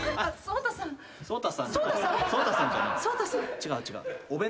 違う違う。